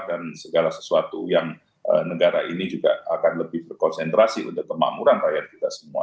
dan segala sesuatu yang negara ini juga akan lebih berkonsentrasi untuk kemamuran rakyat juga semua